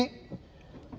kepada relawan ini